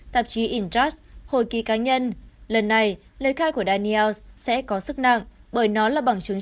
tạp chí entras hồi ký cá nhân lần này lời khai của daniels sẽ có sức nặng bởi nó là bằng chứng